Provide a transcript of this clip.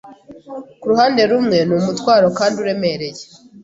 Ku ruhande rumwe ni umutwaro kandi uremereye